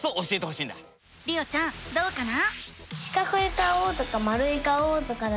りおちゃんどうかな？